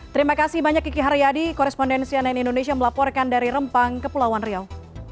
terima kasih banyak kiki haryadi korrespondensi anen indonesia melaporkan dari rempang ke pulau wan riau